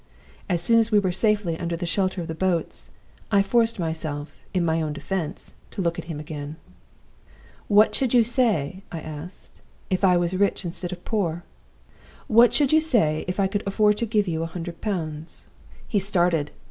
As soon as we were safely under the shelter of the boats, I forced myself, in my own defense, to look at him again. "'What should you say,' I asked, 'if I was rich instead of poor? What should you say if I could afford to give you a hundred pounds?' "He started.